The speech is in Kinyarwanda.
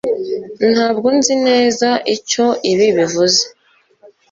ntabwo nzi neza icyo ibi bivuze